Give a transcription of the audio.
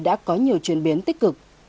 đã có nhiều chuyển biến tích cực